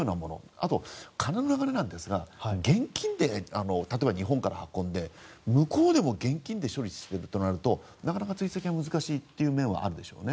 あと、金の流れなんですが現金で、例えば日本から運んで向こうでも現金で処理しているとなるとなかなか追跡が難しい面はあるでしょうね。